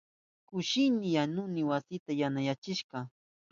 Kushni yanuna wasita yanayachishka.